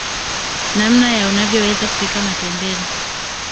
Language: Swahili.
namna ya unavyoweza kupika matembele